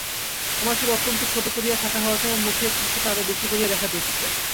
তাহার চুল অত্যন্ত ছোটো করিয়া ছাঁটা হওয়াতে মুখের কৃশতা আরো বেশি করিয়া দেখা যাইতেছে।